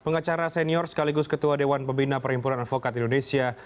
pengacara senior sekaligus ketua dewan pembina perhimpunan advokat indonesia